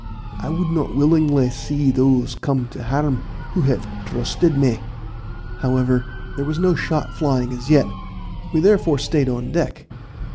I would not willingly see those come to harm who have trusted me." However, there was no shot flying as yet, we therefore stayed on deck.